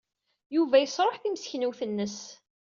Yuba yesṛuḥ timseknewt-nnes.